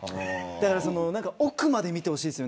だから奥まで見てほしいです。